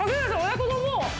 親子丼もう。